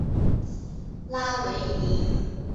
拉维尼。